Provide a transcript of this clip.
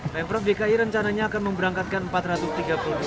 pemprov dki rencananya akan memberangkatkan empat rekan